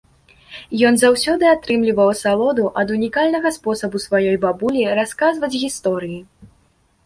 Ён заўсёды атрымліваў асалоду ад унікальнага спосабу сваёй бабулі расказваць гісторыі.